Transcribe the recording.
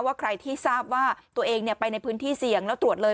ว่าใครที่ทราบว่าตัวเองไปในพื้นที่เสี่ยงแล้วตรวจเลย